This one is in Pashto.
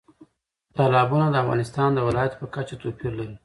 تالابونه د افغانستان د ولایاتو په کچه توپیر لري.